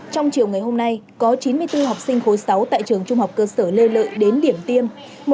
trong chiều ngày hôm nay có chín mươi bốn học sinh khối sáu tại trường trung học cơ sở lê lợi đến điểm tiêm